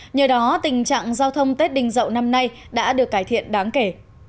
nhờ đó tình trạng giao thông tết đình dậu năm nay đã được cải thiện đáng kể